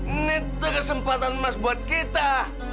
ini tuh kesempatan emas buat kita